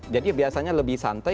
jadi biasanya lebih santai